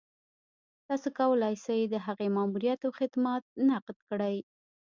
تاسو کولای شئ د هغې ماموريت او خدمات نقد کړئ.